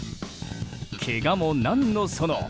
けがも何のその。